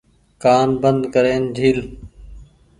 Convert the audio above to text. ڪآن بند ڪرين جهيل۔